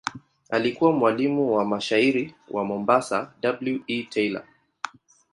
Alikuwa mwalimu wa mshairi wa Mombasa W. E. Taylor.